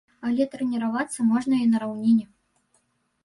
Але трэніравацца можна і на раўніне.